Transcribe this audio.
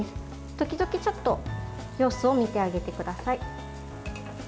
時々、ちょっと様子を見てあげてください。